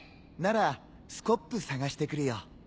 ならスコップ探してくるよ。